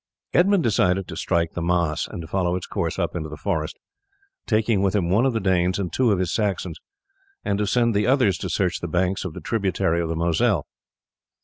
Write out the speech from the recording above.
Edmund decided to strike the Maas, and to follow its course up into the forest, taking with him one of the Danes and two of his Saxons, and to send the others to search the banks of the tributary of the Moselle.